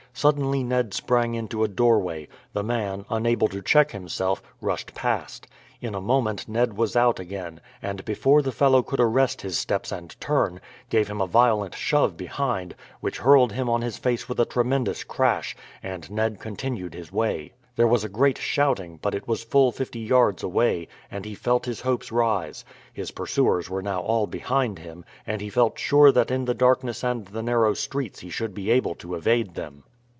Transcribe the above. Suddenly Ned sprang into a doorway; the man, unable to check himself, rushed past. In a moment Ned was out again, and before the fellow could arrest his steps and turn, gave him a violent shove behind, which hurled him on his face with a tremendous crash, and Ned continued his way. There was a great shouting, but it was full fifty yards away, and he felt his hopes rise. His pursuers were now all behind him, and he felt sure that in the darkness and the narrow streets he should be able to evade them.